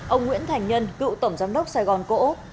ông nguyễn thành nhân cựu tổng giám đốc sài gòn cổ úc